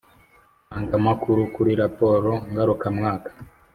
Ntangamakuru kuri raporo ngarukamwaka